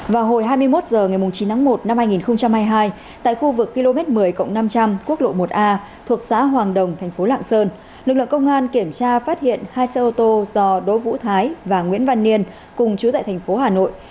vào hồi hai mươi một h ngày chín một hai nghìn hai mươi hai tại khu vực km một mươi năm trăm linh quốc lộ một a thuộc xã hoàng đồng tp lạng sơn lực lượng công an kiểm tra phát hiện hai xe ô tô do đối vũ thái và nguyễn văn niên cùng chú tại tp hà nội